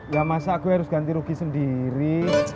ya masa gue harus ganti rugi sendiri